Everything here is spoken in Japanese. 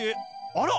あら！？